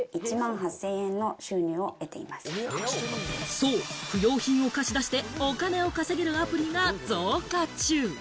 そう、不用品を貸し出して、お金を稼げるアプリが増加中。